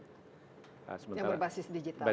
yang berbasis digital yang memiliki online